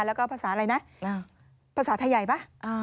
แล้วก็ภาษาอะไรนะภาษาไทยใหญ่ป่ะ